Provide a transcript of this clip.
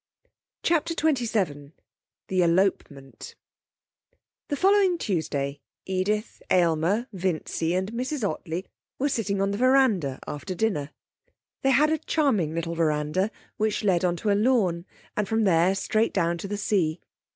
CHAPTER XXVII The Elopement The following Tuesday, Edith, Aylmer, Vincy and Mrs Ottley were sitting on the veranda after dinner. They had a charming little veranda which led on to a lawn, and from there straight down to the sea.